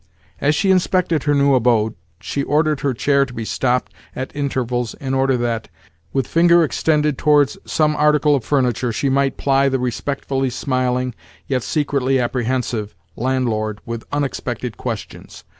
As she inspected her new abode she ordered her chair to be stopped at intervals in order that, with finger extended towards some article of furniture, she might ply the respectfully smiling, yet secretly apprehensive, landlord with unexpected questions.